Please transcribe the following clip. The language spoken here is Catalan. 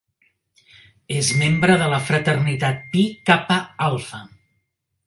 És membre de la fraternitat Pi Kappa Alpha.